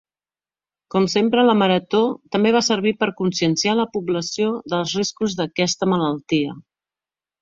Com sempre la Marató també va servir per conscienciar la població dels riscos d'aquesta malaltia.